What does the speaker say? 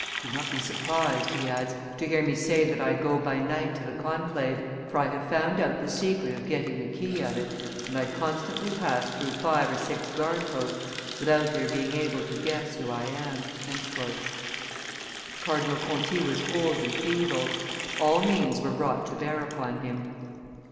"Do not be surprised," he adds, "to hear me say that I go by night to the conclave, for I have found out the secret of getting the key of it, and I constantly pass through five or six guard posts, without their being able to guess who I am." Cardinal Conti was old and feeble; all means were brought to bear upon him.